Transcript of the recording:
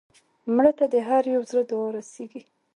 مړه ته د هر یو زړه دعا رسېږي